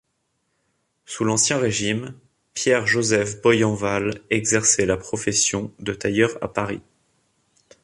Sous l'Ancien Régime Pierre Joseph Boyenval exerçait la profession de tailleur à Paris.